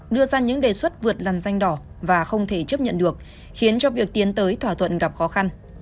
đưa ra những đề xuất vượt lằn danh đỏ và không thể chấp nhận được khiến cho việc tiến tới thỏa thuận gặp khó khăn